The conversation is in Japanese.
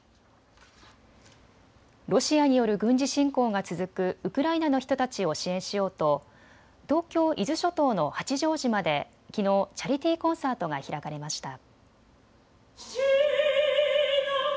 ロシアによる軍事侵攻が続くウクライナの人たちを支援しようと東京伊豆諸島の八丈島で、きのうチャリティーコンサートが開かれました。